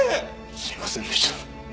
すいませんでした。